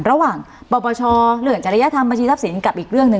ระหว่างปปชเรื่องจริยธรรมบัญชีทรัพย์สินกับอีกเรื่องหนึ่ง